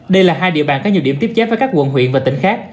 đây là hai địa bàn có nhiều điểm tiếp giáp với các quận huyện và tỉnh khác